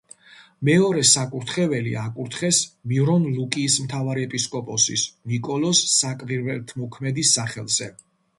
მეორე საკურთხეველი აკურთხეს მირონ-ლუკიის მთავარეპისკოპოსის ნიკოლოზ საკვირველთმოქმედის სახელზე.